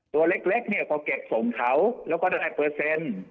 ตัวเล็กเนี่ยก็เก็บส่งเขาแล้วก็ได้เปอร์เซ็นต์